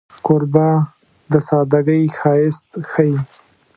کوربه د سادګۍ ښایست ښيي.